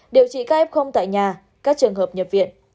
điều trị các f tại nhà các trường hợp nhập viện